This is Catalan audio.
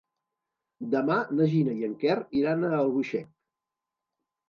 Demà na Gina i en Quer iran a Albuixec.